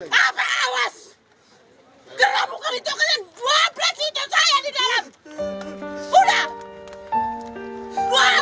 apa awas geramukal itu kalian dua belas juta saya di dalam